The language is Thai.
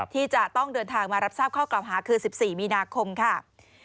ที่จะต้องเดินทางมารับทราบข้อกล่าวหาคือ๑๔มีนาคมค่ะ